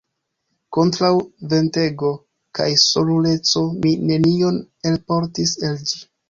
Kontraŭ ventego kaj soluleco mi nenion elportis el ĝi.